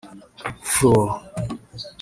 Fluor